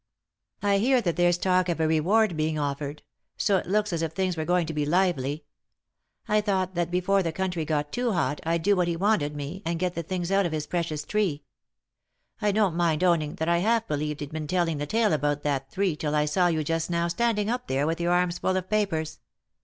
" I hear that there's talk of a reward being offered ; so it looks as if things were going to be lively. I thought that before the country got too hot I'd do what ios 3i 9 iii^d by Google THE INTERRUPTED KISS he wanted me, and get the things out of his precious tree. I don't mind owning that I half believed he'd been telling the tale about that tree till I saw you just now standing up there with your arms full of papers.